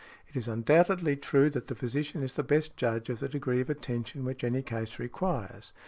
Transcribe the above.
It is undoubtedly true that the physician is the best judge of the degree of attention which any case requires.